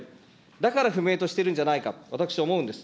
だから不明としてるんじゃないか、私思うんです。